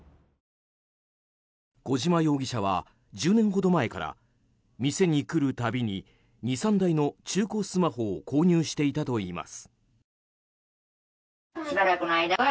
小島容疑者は１０年ほど前から店に来るたびに２３台の中古スマホを購入していたといいます。